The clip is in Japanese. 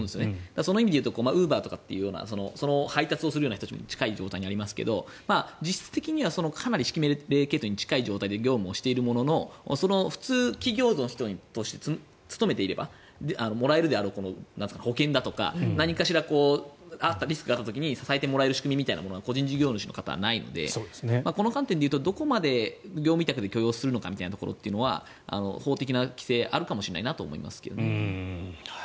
その意味で言うとウーバーとかその配達をするような人も近いと思いますが実質的にはかなり指揮命令系統に近い状態で業務をしているものの普通に企業に勤めていればもらえるであろう保険だとか何かしらリスクがあった時支えてもらえる仕組みというのは個人事業主の方はないのでこの観点で言うとどこまで業務委託で許容するのかというのは法的な規制があるのかもしれないなと思いますけどね。